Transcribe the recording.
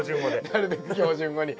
なるべく標準語に。